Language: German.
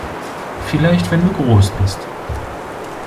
Vielleicht wenn du groß bist!